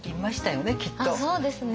そうですね。